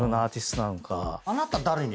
あなた誰に？